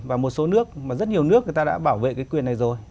và một số nước mà rất nhiều nước người ta đã bảo vệ cái quyền này rồi